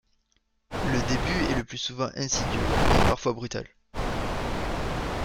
Le début est le plus souvent insidieux, mais parfois brutal.